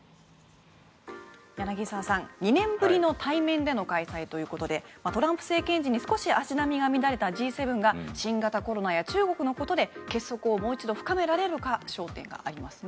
柳澤さん、２年ぶりの対面での開催ということでトランプ政権時に少し足並みが乱れたＧ７が新型コロナや中国のことで結束をもう一度深められるかに焦点がありますね。